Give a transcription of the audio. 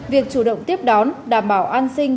việc chủ động tiếp đón đảm bảo an sinh